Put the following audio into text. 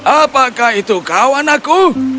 apakah itu kawan aku